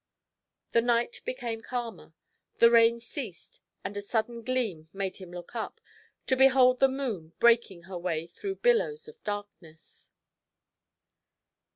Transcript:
The night became calmer. The rained ceased, and a sudden gleam made him look up, to behold the moon breaking her way through billows of darkness.